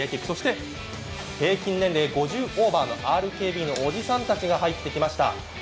そして平均年齢５０オーバーのＲＫＢのおじさんたちが入ってまいりました。